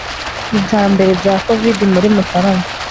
i bya mbere bya COVIDmuri Mutarama